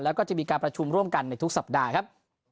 แล้วก็จะมีการประชุมร่วมกันในทุกสัปดาห์ครับ